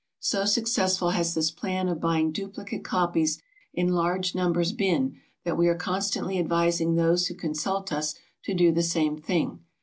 So successful has this plan of buying duplicate copies in large numbers been, that we are constantly advising those who consult us to do the same thing.